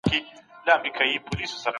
د يتيم مال ته لاس مه ور وړئ.